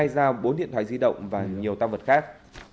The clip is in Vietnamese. hai dao bốn điện thoại di động và nhiều tam vật khác